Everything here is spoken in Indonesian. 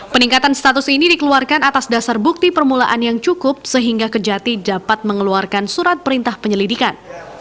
peningkatan status ini dikeluarkan atas dasar bukti permulaan yang cukup sehingga kejati dapat mengeluarkan surat perintah penyelidikan